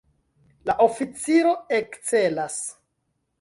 La oficiro ekcelas.